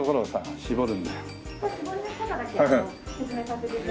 絞る？